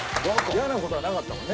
嫌なことはなかったもんね